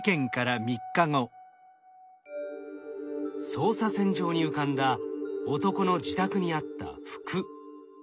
捜査線上に浮かんだ男の自宅にあった服。